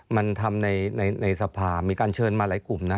มันทำในสภามีการเชิญมาหลายกลุ่มนะ